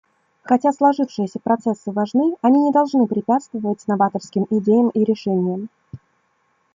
Хотя сложившиеся процессы важны, они не должны препятствовать новаторским идеям и решениям.